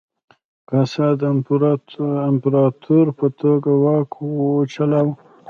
کاسا د امپراتور په توګه واک چلاوه.